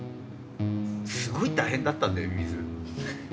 すごい大変だったんだよミミズ。